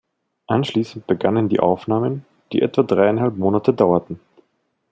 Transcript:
Anschließend begannen die Aufnahmen, die etwa dreieinhalb Monate dauerten.